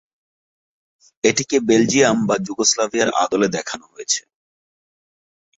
এটিকে বেলজিয়াম বা যুগোস্লাভিয়ার আদলে দেখানো হয়েছে।